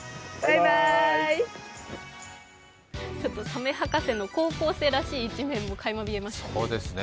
サメ博士の高校生らしい一面もかいま見えましたね。